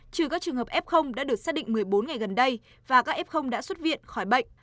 trừ các trường hợp f đã được xác định một mươi bốn ngày gần đây và các f đã xuất viện khỏi bệnh